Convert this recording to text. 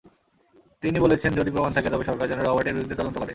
তিনি বলেছেন, যদি প্রমাণ থাকে তবে সরকার যেন রবার্টের বিরুদ্ধে তদন্ত করে।